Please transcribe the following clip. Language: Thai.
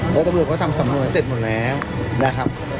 แล้วตำรวจก็ทำสำนวนเสร็จหมดแล้วนะครับ